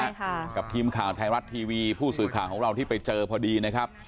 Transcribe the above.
ค่ะกับทีมข่าวไทยรัฐทีวีผู้สื่อข่าวของเราที่ไปเจอพอดีนะครับ